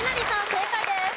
正解です。